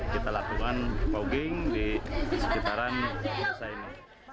kita lakukan pogging di sekitaran desa ini